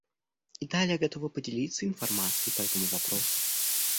Италия готова поделиться информацией по этому вопросу.